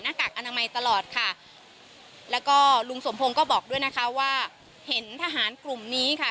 กากอนามัยตลอดค่ะแล้วก็ลุงสมพงศ์ก็บอกด้วยนะคะว่าเห็นทหารกลุ่มนี้ค่ะ